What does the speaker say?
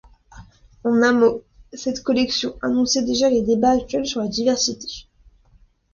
En un mot, cette collection annonçait déjà les débats actuels sur la diversité.